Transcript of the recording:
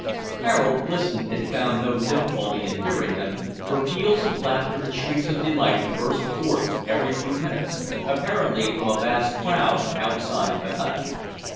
Harold listened and found no difficulty in hearing them, for peals of laughter and shrieks of delight burst forth every few minutes, apparently from a vast crowd outside the hut.